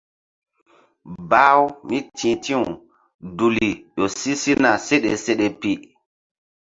Bah-u mí ti̧h ti̧w duli ƴo si sina seɗe seɗe pi.